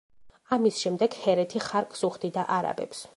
ამის შემდეგ ჰერეთი ხარკს უხდიდა არაბებს.